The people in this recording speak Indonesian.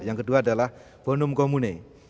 yang kedua adalah bonum comune